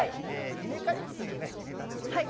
稲刈り機というね、ネタでございます。